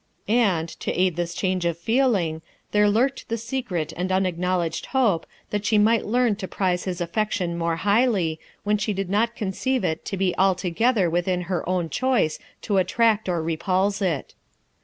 And, to aid this change of feeling, there lurked the secret and unacknowledged hope that she might learn to prize his affection more highly, when she did not conceive it to be altogether within her own choice to attract or repulse it.